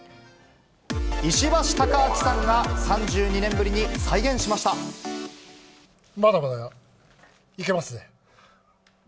石橋貴明さんが、３２年ぶりまだまだいけますね。